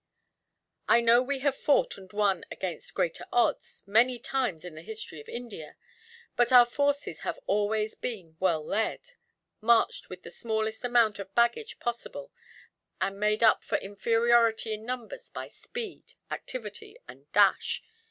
"I know we have fought and won against greater odds, many times in the history of India; but our forces have always been well led, marched with the smallest amount of baggage possible, and made up for inferiority in numbers by speed, activity, and dash.